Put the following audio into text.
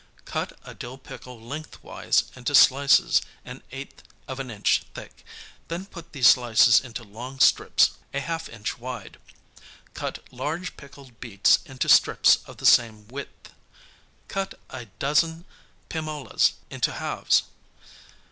Cut a dill pickle lengthwise into slices an eighth of an inch thick, then cut these slices into long strips a half inch wide. Cut large pickled beets into strips of the same width. Cut a dozen pimolas into halves.